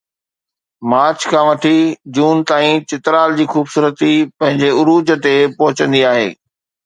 march کان وٺي June تائين چترال جي خوبصورتي پنهنجي عروج تي پهچندي آهي